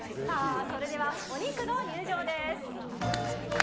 それではお肉の塊の入場です。